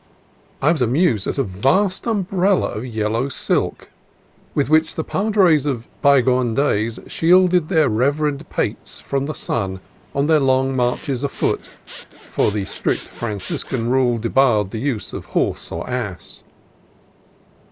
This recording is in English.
I was amused at a vast umbrella of yellow silk, with which the padres of bygone days shielded their reverend pates from the sun on their long marches afoot (for the strict Franciscan rule debarred the use of horse or ass).